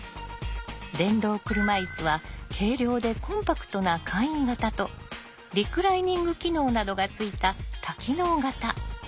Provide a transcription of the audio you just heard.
電動車いすは軽量でコンパクトな簡易型とリクライニング機能などがついた多機能型。